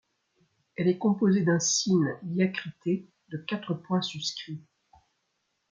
Elle est composée d’un sīn diacrité de quatre points suscrits.